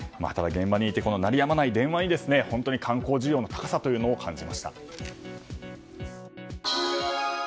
現場にいて鳴りやまない電話に本当に観光需要の高さを感じました。